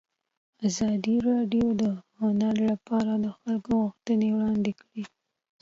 ازادي راډیو د هنر لپاره د خلکو غوښتنې وړاندې کړي.